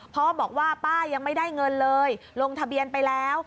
พ่อบอกว่าป้ายังไม่ได้เงินเลยลงทะเบียนไปแล้ว